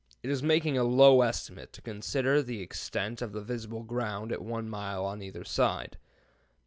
It is making a low estimate to consider the extent of the visible ground at 1 mile on either side.